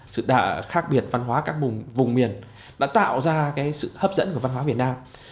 sự khác biệt văn hóa các vùng miền đã tạo ra sự hấp dẫn của văn hóa việt nam